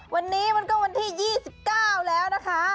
วันนี้มันก็วันที่๒๙แล้วนะคะ